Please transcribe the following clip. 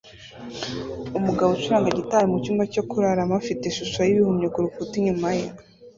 Umugabo ucuranga gitari mu cyumba cyo kuraramo afite ishusho y'ibihumyo ku rukuta inyuma ye